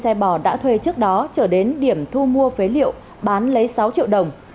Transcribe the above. xe bò đã thuê trước đó trở đến điểm thu mua phế liệu bán lấy sáu triệu đồng